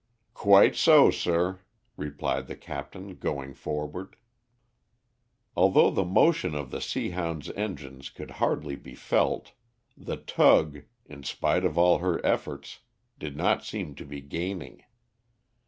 "Quite so, sir," replied the captain, going forward. Although the motion of the Seahound's engines could hardly be felt, the tug, in spite of all her efforts, did not seem to be gaining.